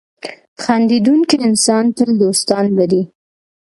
• خندېدونکی انسان تل دوستان لري.